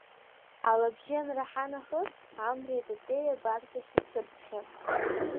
Алабжьы анраҳа нахыс, Амреи Татеии абарҵахь ицәырҵхьан.